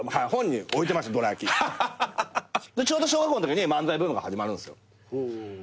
ちょうど小学校のときに漫才ブームが始まるんすよ。